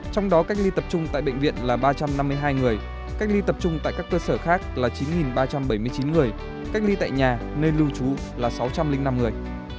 trong đó cách ly tập trung tại bệnh viện là ba trăm năm mươi hai người cách ly tập trung tại các cơ sở khác là chín ba trăm bảy mươi chín người cách ly tại nhà nơi lưu trú là sáu trăm linh năm người